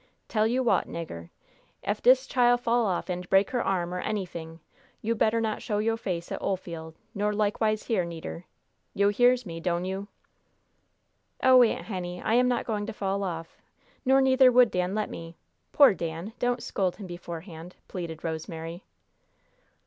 Tell yo' wot, nigger, ef dis chile fall off an' break her arm or anyfing, yo' better not show yo' face at Olefiel' nor likewise here, needer! Yo' hears me, doan yo'?" "Oh, Aunt Henny, I am not going to fall off; nor neither would Dan let me. Poor Dan! Don't scold him beforehand," pleaded Rosemary.